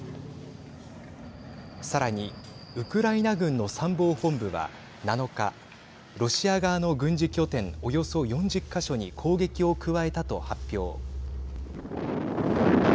さらにウクライナ軍の参謀本部は７日、ロシア側の軍事拠点およそ４０か所に攻撃を加えたと発表。